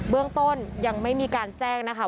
เรื่องต้นยังไม่มีการแจ้งนะคะ